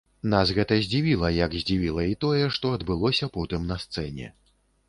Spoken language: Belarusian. Нас гэта здзівіла, як здзівіла і тое, што адбылося потым на сцэне.